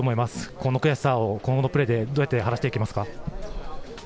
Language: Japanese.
この悔しさを今後のプレーでどうやって晴らしていきますか？